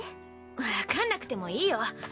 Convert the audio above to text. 分かんなくてもいいよ